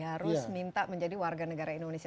harus minta menjadi warganegara indonesia